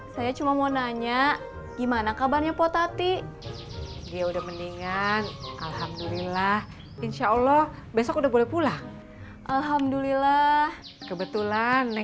sampai jumpa di video selanjutnya